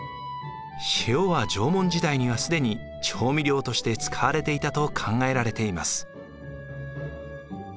塩は縄文時代には既に調味料として使われていたと考えられています。